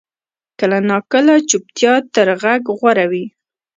کله ناکله چپتیا تر غږ غوره وي.